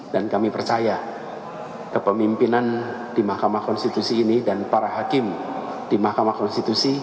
dan kami percaya kepemimpinan di mahkamah konstitusi ini